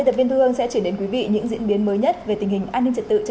thì lúc đấy con sẽ có cái cách